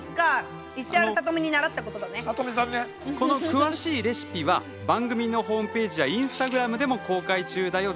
詳しいレシピは番組ホームページやインスタグラムでも公開中だよ。